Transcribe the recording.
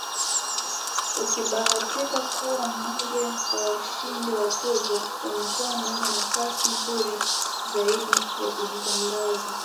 Ukibahatika kuwa mmoja wa washindi wa tuzo unakuwa kwenye nafasi nzuri zaidi ya kujitangaza